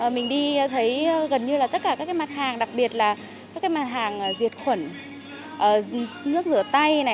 mình đi thấy gần như là tất cả các mặt hàng đặc biệt là các cái mặt hàng diệt khuẩn nước rửa tay này